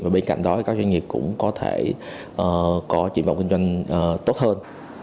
bên cạnh đó các doanh nghiệp cũng có thể có triển vọng kinh doanh tốt hơn